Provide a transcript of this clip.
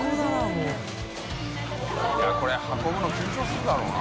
Δ錙これ運ぶの緊張するだろうな。